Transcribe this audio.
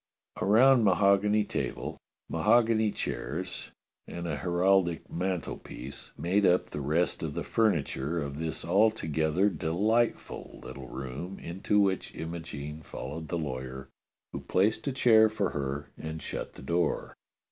A round mahogany table, mahogany chairs, and a heraldic mantelpiece made up the rest of the furniture of this altogether delightful little room into which Imogene followed the lawyer, who placed a chair for her and shut the door.